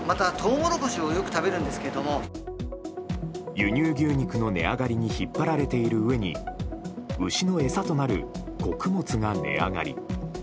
輸入牛肉の値上がりに引っ張られているうえに牛の餌となる穀物が値上がり。